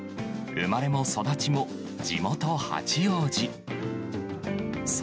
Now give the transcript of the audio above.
生まれも育ちも地元、八王子。